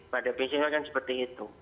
pada basisnya kan seperti itu